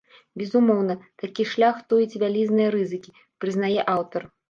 Безумоўна, такі шлях тоіць вялізныя рызыкі, прызнае аўтар.